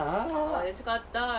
おいしかったあれ。